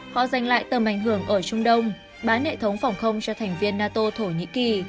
họ giành lại tầm ảnh hưởng ở trung đông bán hệ thống phòng không cho thành viên nato thổ nhĩ kỳ